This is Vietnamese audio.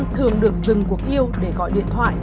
bốn mươi thường được dừng cuộc yêu để gọi điện thoại